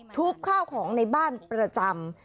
ทุบข้าวของในบ้านประจำ